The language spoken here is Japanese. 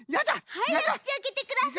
はいおくちあけてください。